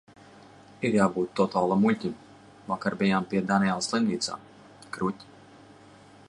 Ir jābūt totālam muļķim. Vakar bijām pie Daniela slimnīcā. Kruķi.